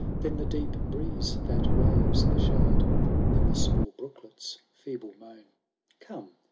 Than the deep breeze that waves the shade. Than the small brooklet*s feeble moan. Come